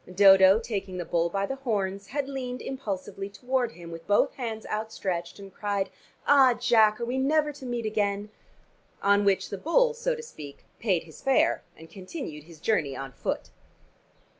Dodo, taking the bull by the horns, had leaned impulsively toward him with both hands outstretched and cried, "Ah, Jack, are we never to meet again?" On which the bull, so to speak, paid his fare, and continued his journey on foot.